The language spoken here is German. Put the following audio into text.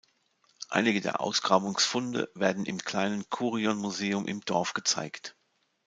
Einige der Ausgrabungsfunde werden im kleinen Kourion-Museum im Dorf gezeigt.